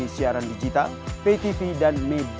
jalan jalan kemana mas